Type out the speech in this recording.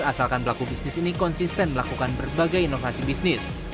asalkan pelaku bisnis ini konsisten melakukan berbagai inovasi bisnis